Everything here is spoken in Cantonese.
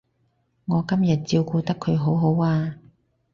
我今日照顧得佢好好啊